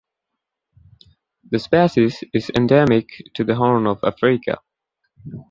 The species is endemic to the Horn of Africa.